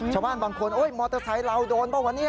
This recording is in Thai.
ชาวบ้างคนโอ้ยมอเตอร์ไซค์ลาวโดนห์เปล่าวะนี่